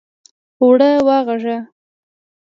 اوړه واغږه!